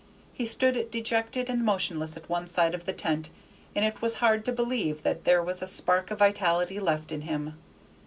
He stood dejected and motionless at one side of the tent, and it was hard to believe that there was a spark of vitality left in him.